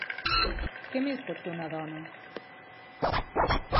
Què més pot fer una dona?